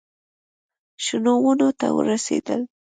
شنو ونو ته ورسېدل.